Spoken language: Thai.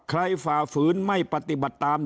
ฝ่าฝืนไม่ปฏิบัติตาม